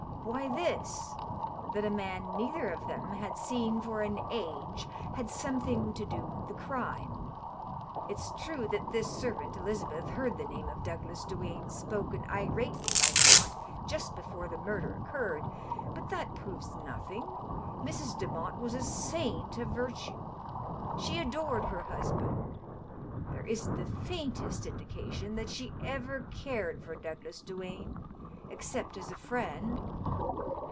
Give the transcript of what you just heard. " Why^ this : that a man neither of them had seen for an i^ had something to do with the crime. It's true that this servant, Eliza beth, heard the name of Douglas Duane spoken irately by Demotte just before the murder occurred. But that proves nothing. Mrs. JOemotte was a saint of virtue. She adored her husband. There isn't the faintest indication that she ever cared for Douglas Duane except as a friend."